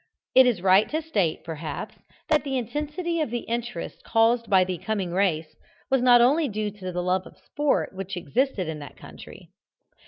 It is right to state, perhaps, that the intensity of the interest caused by the coming race, was not only due to the love of sport which existed in that country.